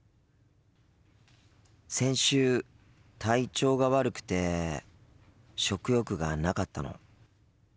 先週体調が悪くて食欲がなかったの。